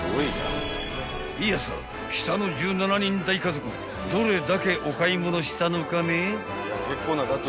［いやさ北の１７人大家族どれだけお買い物したのかね？］